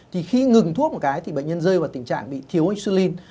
thì khi ngừng thuốc một cái thì bệnh nhân rơi vào tình trạng bị thiếu isulin